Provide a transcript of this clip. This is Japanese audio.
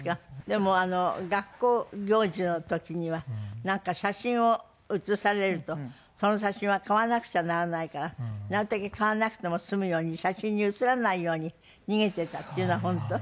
でも学校行事の時にはなんか写真を写されるとその写真は買わなくちゃならないからなるたけ買わなくても済むように写真に写らないように逃げていたっていうのは本当？